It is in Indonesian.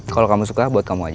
kalau kamu suka buat kamu aja